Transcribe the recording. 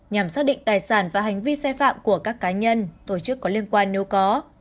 nhằm xác định tài sản và hành vi sai phạm của các cá nhân tổ chức có liên quan nếu có